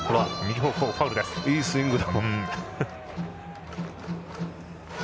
いいスイングだ。